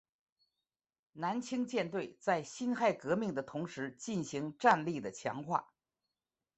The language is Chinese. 南清舰队在辛亥革命的同时进行战力的强化。